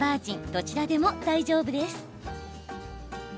どちらでも大丈夫です。